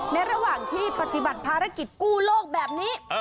ระหว่างที่ปฏิบัติภารกิจกู้โลกแบบนี้